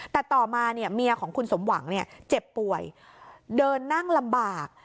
แต่ต่อมาเมียของคุณสมหวังเจ็บป่วยเดินนั่งลำบาก